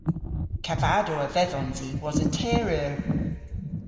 Kavadow a vedhons i wosa teyr eur.